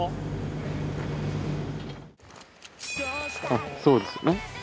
あそうですよね。